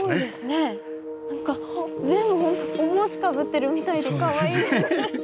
全部本当お帽子かぶってるみたいでかわいいです。